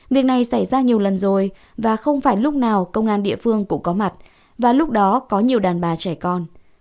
việc này xảy ra nhiều lần rồi và không phải lúc nào công an địa phương cũng có mặt và lúc đó có nhiều đàn bà trẻ con